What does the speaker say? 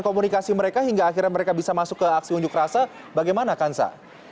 komunikasi mereka hingga akhirnya mereka bisa masuk ke aksi unjuk rasa bagaimana kansa